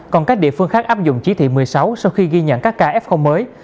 còn các địa phương khác áp dụng chí thị một mươi sáu sau khi ghi nhận các kf mới